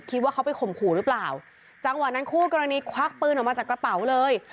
คิดว่าเขาไปข่มขู่หรือเปล่าจังหวะนั้นคู่กรณีควักปืนออกมาจากกระเป๋าเลย